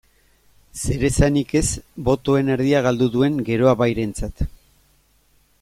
Zeresanik ez botoen erdia galdu duen Geroa Bairentzat.